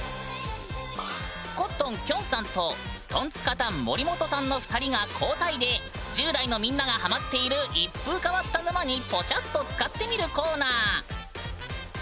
コットンきょんさんとトンツカタン森本さんの２人が交代で１０代のみんながハマっている一風変わった沼にポチャっとつかってみるコーナー！